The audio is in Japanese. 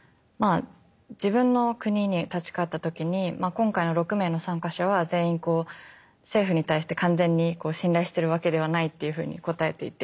自分の国に立ち返った時に今回の６名の参加者は全員政府に対して完全に信頼してるわけではないっていうふうに答えていて。